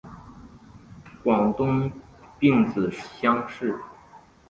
广东丙子乡试。